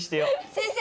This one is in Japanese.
先生